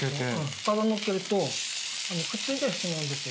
ただのっけるとくっついてしまうんですよ。